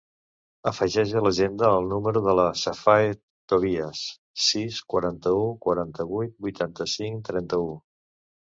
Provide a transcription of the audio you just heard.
Afegeix a l'agenda el número de la Safae Tobias: sis, quaranta-u, quaranta-vuit, vuitanta-cinc, trenta-u.